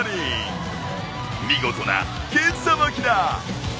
見事な剣さばきだ。